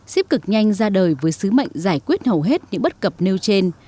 xip cực nhanh ra đời với sứ mệnh giải quyết hầu hết những bất cập nêu trên